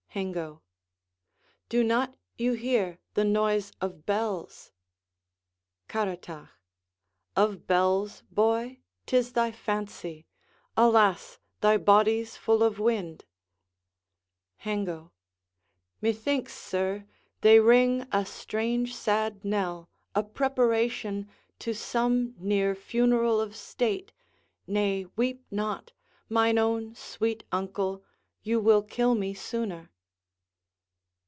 Hengo Do not you hear The noise of bells? Caratach Of bells, boy! 'tis thy fancy; Alas, thy body's full of wind! Hengo Methinks, sir, They ring a strange sad knell, a preparation To some near funeral of state: nay, weep not, Mine own sweet uncle; you will kill me sooner.